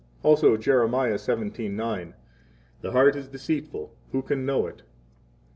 Also Jeremiah 17:9 : 8 The heart is deceitful; who can know it?